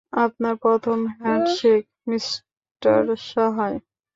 আপনার প্রথম handshake, mister সাহায়।